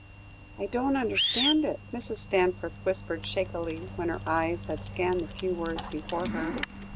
"I don't understand it," Mrs. Stanforth whispered shakily, when her eyes had scanned the few words before her.